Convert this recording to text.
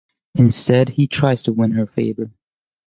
Instead he tries to win her favour.